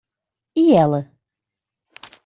E ela?